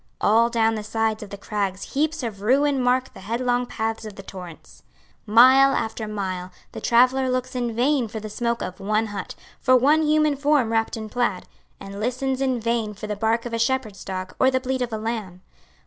All down the sides of the crags heaps of ruin mark the headlong paths of the torrents. Mile after mile the traveller looks in vain for the smoke of one hut, for one human form wrapped in plaid, and listens in vain for the bark of a shepherd's dog or the bleat of a lamb.